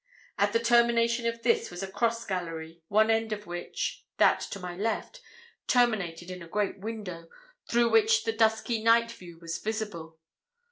At the termination of this was a cross gallery, one end of which that to my left terminated in a great window, through which the dusky night view was visible.